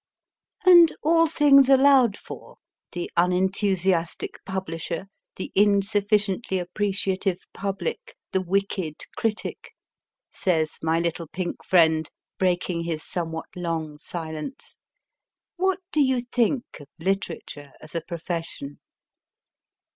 And all things allowed for the unenthusiastic publisher, the insufficiently appreciative public, the wicked critic, says my little pink friend, breaking his somewhat long silence, what do you think of literature as a profession